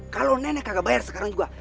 kalau nenek gak bayar sekarang juga